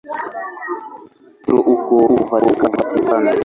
Petro huko Vatikano.